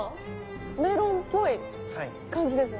メロンっぽい感じですね。